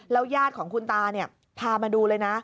แล้วยาดของคุณตาเนี่ยพามาดูเลยนะ